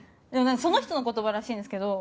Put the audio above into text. その人の言葉らしいんですけど。